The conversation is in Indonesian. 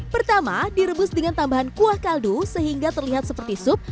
pertama direbus dengan tambahan kuah kaldu sehingga terlihat seperti sup